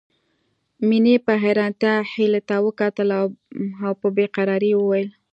مينې په حيرانتيا هيلې ته وکتل او په بې قرارۍ يې وويل